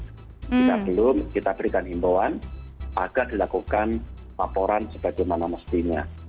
jika belum kita berikan himbauan agar dilakukan laporan sebagaimana mestinya